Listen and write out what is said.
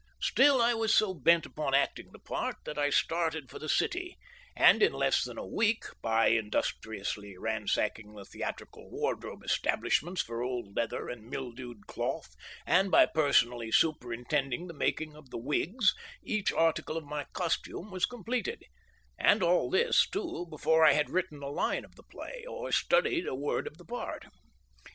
Still I was so bent upon acting the part that I started for the city, and in less than a week, by industriously ransacking the theatrical wardrobe establishments for old leather and mildewed cloth and by personally superintending the making of the wigs, each article of my costume was completed; and all this, too, before I had written a line of the play or studied a word of the part.